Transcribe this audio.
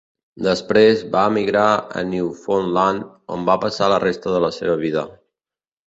Després, va emigrar a Newfoundland, on va passar la resta de la seva vida.